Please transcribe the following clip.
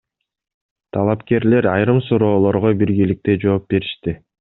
Талапкерлер айрым суроолорго биргеликте жооп беришти.